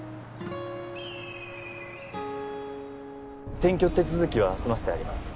転居手続きは済ませてあります